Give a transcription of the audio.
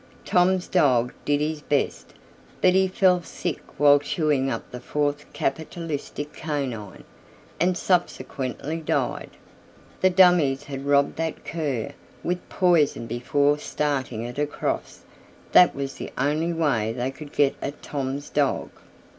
Tom's dog did his best; but he fell sick while chawing up the fourth capitalistic canine, and subsequently died. The dummies had robbed that cur with poison before starting it across that was the only way they could get at Tom's dog.